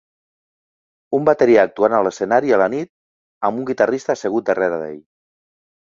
Un bateria actuant a l'escenari a la nit amb un guitarrista assegut darrere d'ell